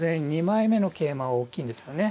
２枚目の桂馬大きいんですよね。